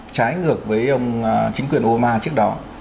trái ngược với ông chính quyền obama trước đó